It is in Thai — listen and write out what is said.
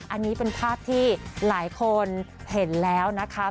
อันนี้เป็นภาพที่หลายคนเห็นแล้วนะคะ